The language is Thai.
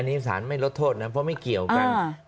อันนี้สารไม่ลดโทษนะเพราะไม่เกี่ยวกัน